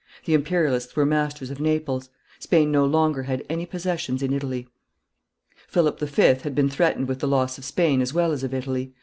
The imperialists were masters of Naples. Spain no longer had any possessions in Italy. Philip V. had been threatened with the loss of Spain as well as of Italy.